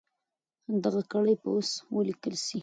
دغه ګړې به اوس ولیکل سي.